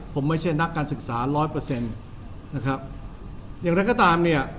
ผมไม่ใช่นักการศึกษาร้อยเปอร์เซ็นต์นะครับอย่างไรก็ตามเนี่ย